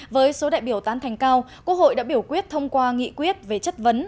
với số đại biểu tán thành cao quốc hội đã biểu quyết thông qua nghị quyết về chất vấn